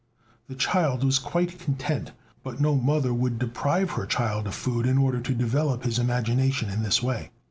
The child was quite content. But no mother would deprive her child of food in order to develop his imagination in this way.